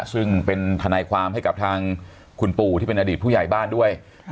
ซึ่งเป็นทนายความให้กับทางคุณปู่ที่เป็นอดีตผู้ใหญ่บ้านด้วย